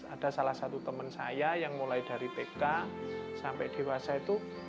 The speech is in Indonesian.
ada salah satu teman saya yang mulai dari tk sampai dewasa itu